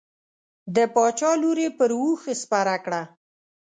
د باچا لور یې پر اوښ سپره کړه.